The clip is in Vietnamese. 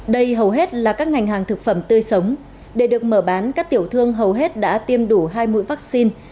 đây hầu hết là các ngành hàng thực phẩm tươi sống để được mở bán các tiểu thương hầu hết đã tiêm đủ hai mũi vaccine